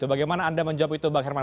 bagaimana anda menjawab itu bang herman